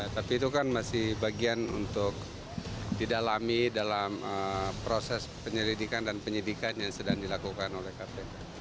tapi itu kan masih bagian untuk didalami dalam proses penyelidikan dan penyidikan yang sedang dilakukan oleh kpk